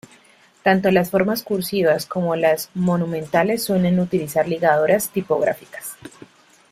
Tanto las formas cursivas como las monumentales suelen utilizar ligaduras tipográficas.